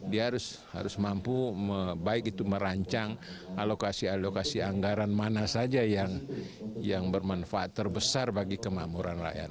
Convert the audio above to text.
dia harus mampu baik itu merancang alokasi alokasi anggaran mana saja yang bermanfaat terbesar bagi kemakmuran rakyat